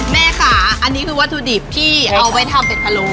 แม่ค่ะอันนี้คือวัตถุดิบที่เอาไว้ทำเป็ดพะโล